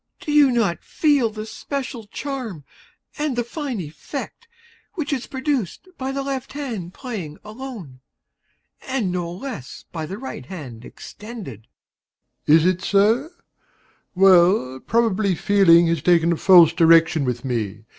MR. PIOUS. Do you not feel the special charm and the fine effect which is produced by the left hand playing alone, and no less by the right hand extended? DOMINIE. Is it so? Well, probably feeling has taken a false direction with me.